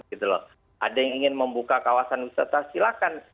ada yang ingin membuka kawasan wisata silakan